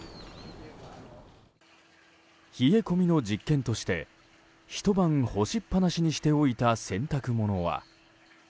冷え込みの実験としてひと晩干しっぱなしにしておいた洗濯物は。